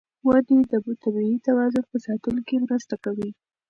ونې د طبیعي توازن په ساتلو کې مرسته کوي.